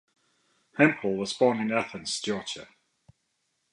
Hemphill was born in Athens, Georgia.